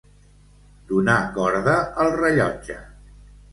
Donar corda al rellotge.